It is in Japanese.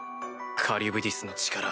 カリュブディスの力